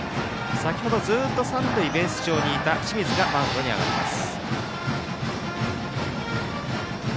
先程、ずっと三塁ベース上にいた清水がマウンドに上がります。